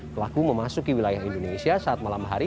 pelaku memasuki wilayah indonesia saat malam hari